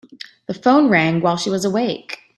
The phone rang while she was awake.